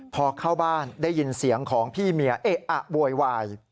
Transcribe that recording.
พอเข้าบ้านได้ยินเสียงของพี่เมียเอ๊ะอะโวยวาย